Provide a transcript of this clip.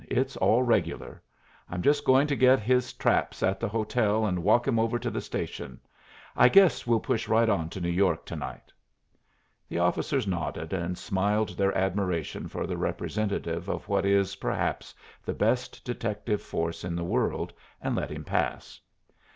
It's all regular. I'm just going to get his traps at the hotel and walk him over to the station. I guess we'll push right on to New York to night." The officers nodded and smiled their admiration for the representative of what is, perhaps, the best detective force in the world, and let him pass.